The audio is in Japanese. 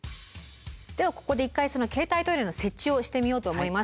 ではここで一回その携帯トイレの設置をしてみようと思います。